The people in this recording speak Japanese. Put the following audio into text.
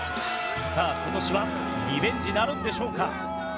さあ今年はリベンジなるんでしょうか？